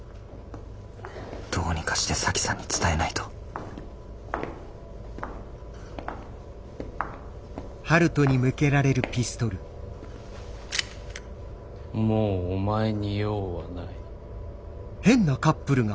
どうにかして沙樹さんに伝えないともうお前に用はない。